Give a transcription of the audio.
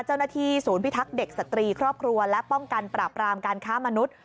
เจ้าหน้าที่ศูนย์พิทักษ์เด็กสตรีครอบครัวและป้องกันปราบรามการค้ามนุษย์